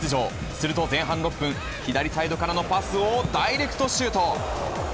すると前半６分、左サイドからのパスをダイレクトシュート。